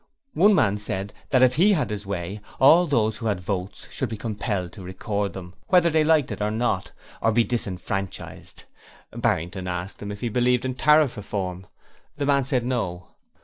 One man said that if he had his way, all those who had votes should be compelled to record them whether they liked it or not or be disenfranchised! Barrington asked him if he believed in Tarrif Reform. The man said no.